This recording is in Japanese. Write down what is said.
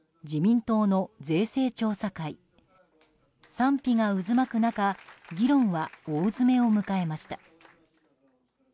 賛否が渦巻く中議論は大詰めを迎えました。